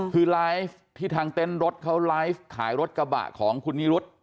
คือไลฟ์ที่ทางเต็นต์รถเขาไลฟ์ขายรถกระบะของคุณนิรุธ